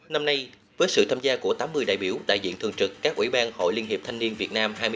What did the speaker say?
năm nay với sự tham gia của tám mươi đại biểu đại diện thường trực các ủy ban hội liên hiệp thanh niên việt nam hai mươi